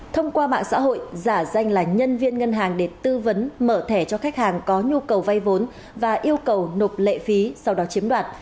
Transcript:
thông qua mạng xã hội giả danh là nhân viên ngân hàng để tư vấn mở thẻ cho khách hàng có nhu cầu vay vốn và yêu cầu nộp lệ phí sau đó chiếm đoạt